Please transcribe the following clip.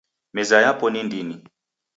Meza yapo ni ndini